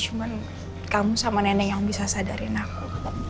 cuma kamu sama nenek yang bisa sadarin aku